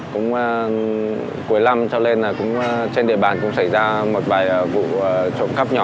cuối năm trên địa bàn cũng xảy ra một bài vụ trộm cấp nhỏ